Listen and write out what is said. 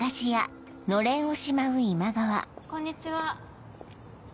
こんにちは。